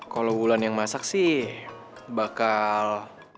kalo wulan yang masak sih bakal